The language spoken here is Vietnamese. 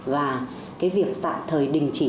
và việc tạm thời đình chỉ